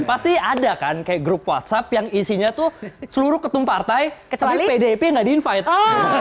pasti ada kan kayak grup whatsapp yang isinya tuh seluruh ketum partai pdip nggak di invite